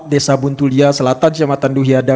desa buntulia selatan kecamatan duhiada